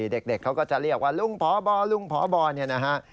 เด็กเขาก็จะเรียกว่าลุงพบลุงพบเนี่ยนะฮะ